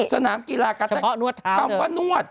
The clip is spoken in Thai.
เฉพาะนวดเท้าเขาก็นวด